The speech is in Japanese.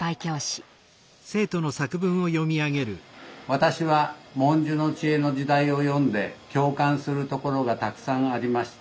「私は『“文殊の知恵”の時代』を読んで共感するところがたくさんありました」。